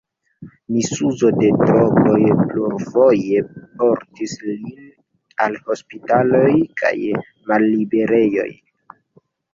Misuzo de drogoj plurfoje portis lin al hospitaloj kaj malliberejoj.